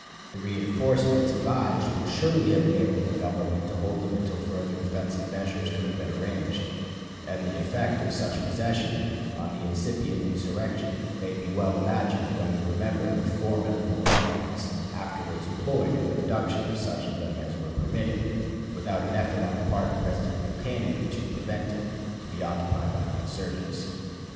The reënforcements advised would surely have enabled the Government to hold them until further defensive measures could have been arranged; and the effect of such possession on the incipient insurrection may be well imagined when we remember the formidable armaments afterwards employed in the reduction of such of them as were permitted, without an effort on the part of President Buchanan to prevent it, to be occupied by the insurgents.